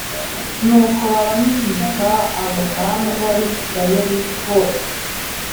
Nuko baramwimika aba umwami w’Abisirayeli bose